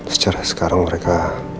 secara sekarang mereka